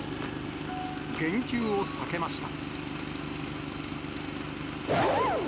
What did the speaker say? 言及を避けました。